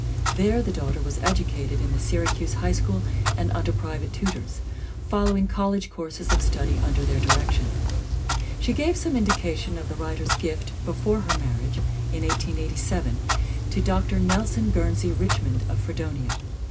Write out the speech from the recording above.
There the daughter was educated in the Syracuse High School and under private tutors, following college courses of study under their direction. She gave some indica tions of the writer's gift before her marriage, in 1887, to Dr. Nelson Guernsey Richmond of Fredonia.